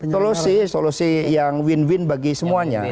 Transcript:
solusi solusi yang win win bagi semuanya